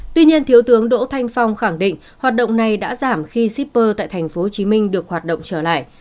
tuy nhiên thiếu tướng đỗ thanh phong khẳng định hoạt động này đã giảm khi shipper tại tp hcm được hoạt động trở lại